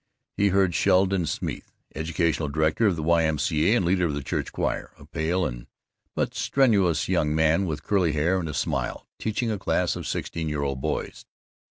He heard Sheldon Smeeth, educational director of the Y.M.C.A. and leader of the church choir, a pale but strenuous young man with curly hair and a smile, teaching a class of sixteen year old boys.